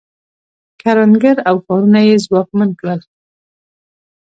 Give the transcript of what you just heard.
کروندګر او ښارونه یې ځواکمن کړل